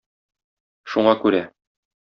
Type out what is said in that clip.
Шуңа күрә...